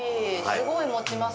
すごい持ちますね。